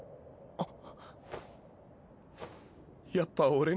あっ。